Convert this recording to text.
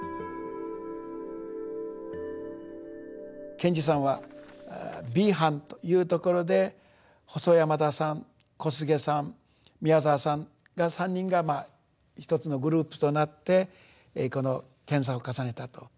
賢治さんはＢ班というところで細山田さん小菅さん宮沢さんが３人が１つのグループとなってこの研さんを重ねたと。